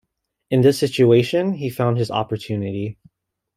In this situation, he found his opportunity.